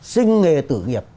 sinh nghề tử nghiệp